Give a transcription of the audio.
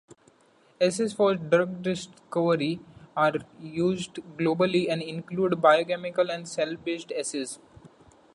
Assays for drug discovery are used globally and include biochemical and cell-based assays.